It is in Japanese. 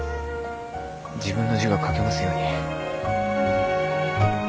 自分の字が書けますように。